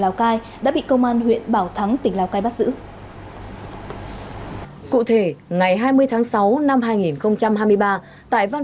lào cai đã bị công an huyện bảo thắng tỉnh lào cai bắt giữ cụ thể ngày hai mươi tháng sáu năm hai nghìn hai mươi ba tại văn